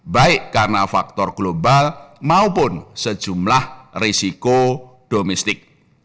baik karena faktor global maupun sejumlah risiko domestik